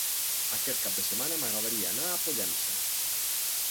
Aquest cap de setmana m'agradaria anar a Pollença.